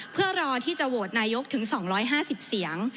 เพื่อรอที่จะโหวตนายกถึง๒๕๐เสียง